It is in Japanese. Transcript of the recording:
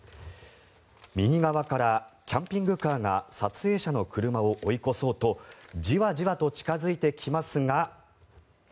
右側からキャンピングカーが撮影者の車を追い越そうとじわじわと近付いてきますが。